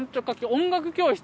音楽教室？